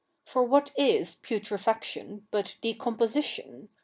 For what is putrefaction but decomposition